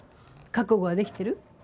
覚悟はできてる？